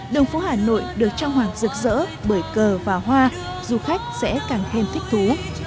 đường phố hà nội được trang hoàng rực rỡ bởi cờ và hoa du khách sẽ càng thêm thích thú